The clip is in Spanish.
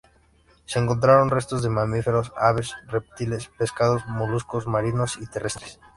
Se encontraron restos de mamíferos, aves, reptiles, pescados, moluscos marinos y terrestres.